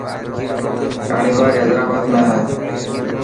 راڻي باگھه حيدرآباد ۾ هي.